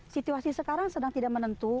situasi sekarang sedang tidak menentu